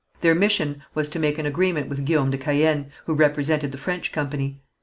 Their mission was to make an agreement with Guillaume de Caën, who represented the French company.